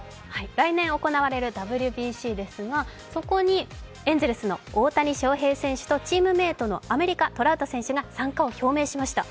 来年行われるＷＢＣですがそこにエンゼルスの大谷翔平選手とチームメートのアメリカ、トラウト選手が参加を表明しました。